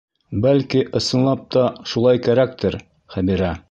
Бәлки, ысынлап та, шулай кәрәктер, Хәбирә.